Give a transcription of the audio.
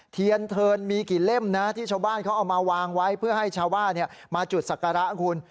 เทียนเทินมีกี่เล่มนะที่ชาวบ้านเขาเอามาวางไว้เพื่อให้ชาวบ้านมาจุดศักระคุณ